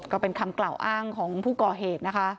ก็เป็นคำกระอ้างของผู้ก่อเหตุ